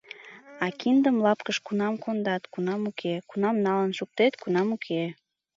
А киндым лапкыш кунам кондат, кунам уке, кунам налын шуктет, кунам уке.